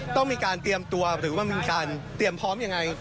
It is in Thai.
ต้องมีการเตรียมตัวหรือว่ามีการเตรียมพร้อมยังไง